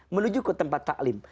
menuju ke tempat ta'lim